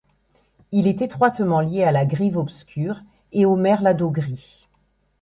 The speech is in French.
Il est étroitement lié à la Grive obscure et au Merle à dos gris.